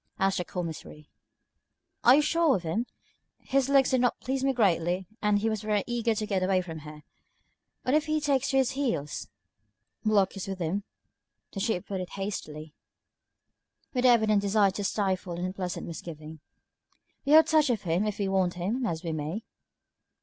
asked the Commissary. "Are you sure of him? His looks did not please me greatly, and he was very eager to get away from here. What if he takes to his heels?" "Block is with him," the Chief put in hastily, with the evident desire to stifle an unpleasant misgiving. "We have touch of him if we want him, as we may."